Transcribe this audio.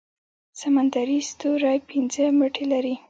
سمندري ستوری پنځه مټې لري